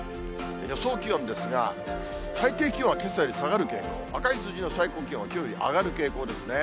予想気温ですが、最低気温は、けさより下がる傾向、赤い数字の最高気温は、きょうより上がる傾向ですね。